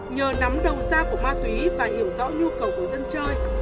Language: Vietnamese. nhờ nắm đầu ra của ma túy và hiểu rõ nhu cầu của dân chơi